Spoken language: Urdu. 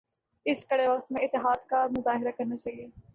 اس کڑے وقت میں اتحاد کا مظاہرہ کرنا چاہئے